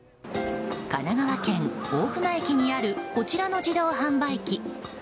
神奈川県大船駅にあるこちらの自動販売機。